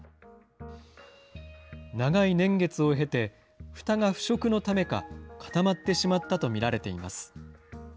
長い年月を経て、ふたが腐食のためか固まってしまったと見られています。